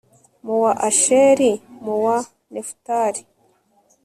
mu wa asheri, mu wa nefutali